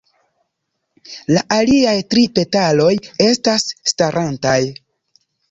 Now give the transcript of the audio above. La aliaj tri petaloj estas starantaj.